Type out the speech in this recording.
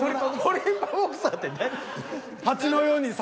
トリッパボクサーって何？